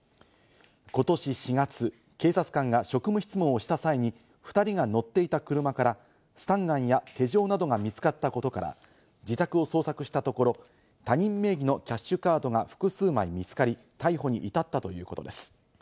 ことし４月、警察官が職務質問をした際に２人が乗っていた車からスタンガンや手錠などが見つかったことから、自宅を捜索したところ、他人名義のキャッシュカードが複数枚見つかり、逮捕に至ったということです。